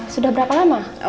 sudah berapa lama